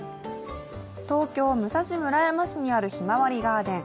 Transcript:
東京・武蔵村山市にあるひまわりガーデン。